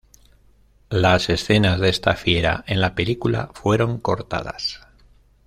Las escenas de esta fiera en la película fueron cortadas.